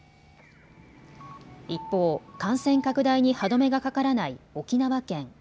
一方、感染拡大に歯止めがかからない沖縄県。